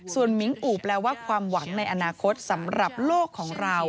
ส่วนมิ้งอูบแปลว่าความหวังในอนาคตสำหรับโลกของเรา